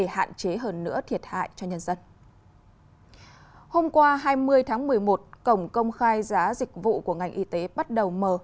hôm qua hai mươi tháng một mươi một cổng công khai giá dịch vụ của ngành y tế bắt đầu mở